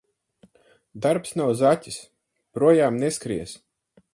Darbs nav zaķis – projām neskries.